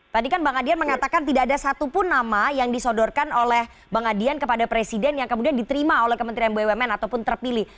tadi kan bang adian mengatakan tidak ada satupun nama yang disodorkan oleh bang adian kepada presiden yang kemudian diterima oleh kementerian bumn ataupun terpilih